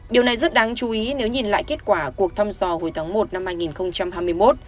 điều này rất đáng chú ý nếu nhìn lại kết quả cuộc thăm dò hồi tháng một năm hai nghìn hai mươi một